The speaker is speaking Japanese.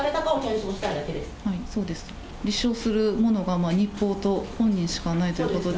実証するものが日報と本人しかないということで。